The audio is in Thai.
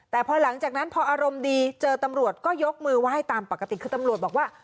แต่พอหลังจากนั้นพออารมณ์ดีเจอตำรวจก็ยกมือไหว้ตามปกติคือตำรวจบอกว่า